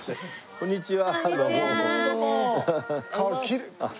こんにちは。